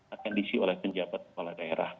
akan diisi oleh penjabat kepala daerah